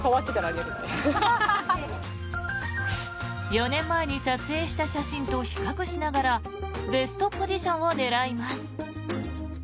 ４年前に撮影した写真と比較しながらベストポジションを狙います。